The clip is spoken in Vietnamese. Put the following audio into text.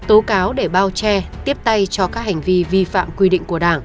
tố cáo để bao che tiếp tay cho các hành vi vi phạm quy định của đảng